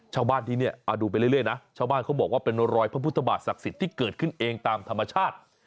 ชาวบ้านที่นี่ดูไปเรื่อยนะชาวบ้านเขาบอกว่าเป็นรอยพระพุทธบาทศักดิ์สิทธิ์ที่เกิดขึ้นเองตามธรรมชาติ